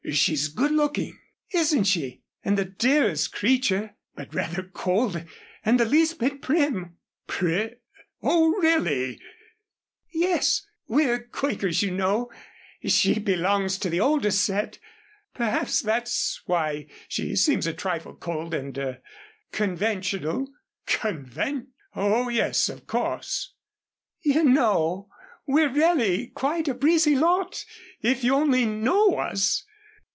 She's good looking." "Isn't she? And the dearest creature but rather cold and the least bit prim." "Pri Oh, really!" "Yes! We're Quakers, you know. She belongs to the older set. Perhaps that's why she seems a trifle cold and er conventional." "Convent ! Oh, yes, of course." "You know we're really quite a breezy lot, if you only know us.